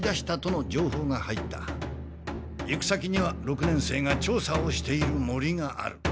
行く先には六年生が調査をしている森がある。